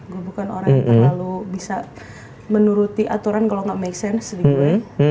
gue bukan orang yang terlalu bisa menuruti aturan kalau nggak make sense di gue